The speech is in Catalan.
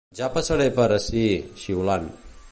Ja passaré per ací... xiulant.